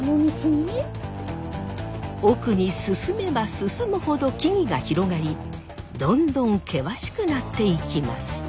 奥に進めば進むほど木々が広がりどんどん険しくなっていきます。